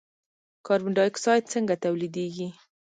کاربن ډای اکساید څنګه تولیدیږي.